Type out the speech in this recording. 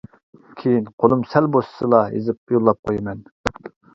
كېيىن قولۇم سەل بوشىسىلا، يېزىپ يوللاپ قويىمەن.